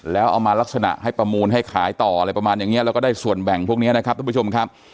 แล้วเอามาลักษณะให้ประมูลให้ขายต่ออะไรประมาณอย่างนี้แล้วก็ได้ส่วนแบ่งพวกนี้นะครับทุกผู้ชมครับ